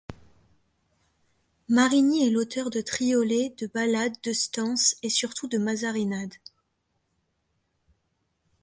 Marigny est l’auteur de triolets, de ballades, de stances et surtout de mazarinades.